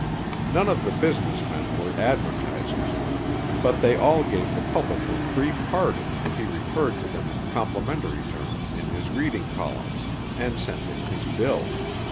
None of the business men were advertisers, but they all gave the publisher free pardon if he referred to them in complimentary terms in his reading columns, and sent in his bill.